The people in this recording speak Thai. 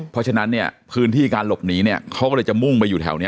เพราะฉะนั้นเนี่ยพื้นที่การหลบหนีเนี่ยเขาก็เลยจะมุ่งไปอยู่แถวนี้